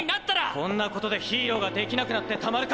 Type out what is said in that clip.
こんなことでヒーローができなくなってたまるか！